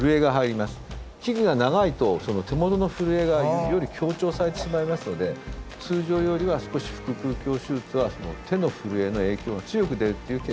器具が長いと手元の震えがより強調されてしまいますので通常よりは少し腹腔鏡手術は手の震えの影響が強く出るという欠点があります。